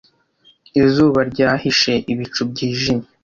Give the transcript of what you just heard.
Izuba ryahishe ibicu byijimye.